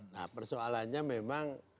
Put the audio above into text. nah persoalannya memang